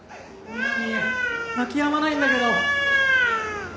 南泣きやまないんだけど。